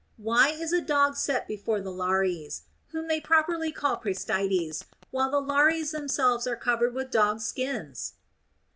Why is a dog set before the Lares, whom they properly call Praestites, while the Lares themselves are covered with dogs' skins